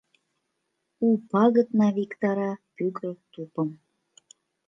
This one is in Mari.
У пагытна виктара пӱгыр тупым.